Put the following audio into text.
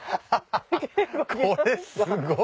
これすごい！